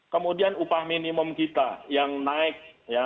kemudian upah minimum kita yang naik